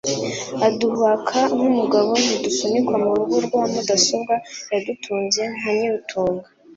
Aduhaka nk'umugaboNtidusunikwa mu rugo rwa MudasobwaYadutunze nka Nyiratunga.